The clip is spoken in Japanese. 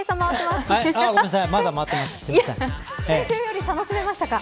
先週より楽しめましたか。